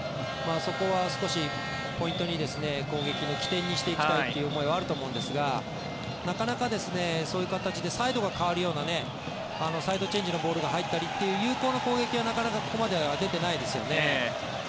そこは少しポイントに攻撃の起点にしていきたいという思いはあると思うんですがなかなか、そういう形でサイドが変わるようなサイドチェンジのボールが入ったりという有効な攻撃はなかなかここまでは出ていないですよね。